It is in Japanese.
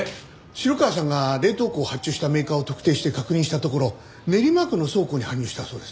城川さんが冷凍庫を発注したメーカーを特定して確認したところ練馬区の倉庫に搬入したそうです。